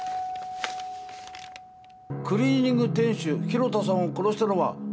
クリーニング店主広田さんを殺したのは私です。